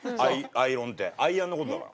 アイロンってアイアンの事だから。